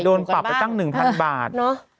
โดนปรับไปตั้ง๑๐๐๐บาท